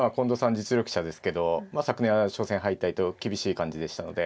実力者ですけど昨年は初戦敗退と厳しい感じでしたので。